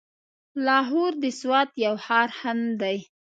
لاهور د سوات يو ښار هم دی.